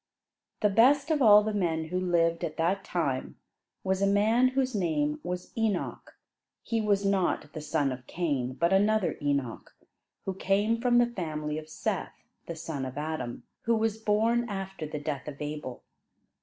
The best of all the men who lived at that time was a man whose name was Enoch. He was not the son of Cain, but another Enoch, who came from the family of Seth, the son of Adam, who was born after the death of Abel.